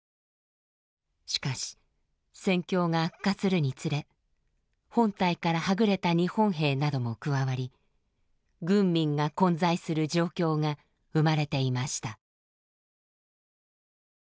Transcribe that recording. しかし戦況が悪化するにつれ本体からはぐれた日本兵なども加わり軍民が混在する状況が生まれていました。